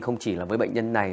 không chỉ là với bệnh nhân này